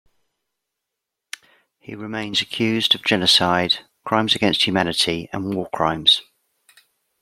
He remains accused of genocide, crimes against humanity, and war crimes.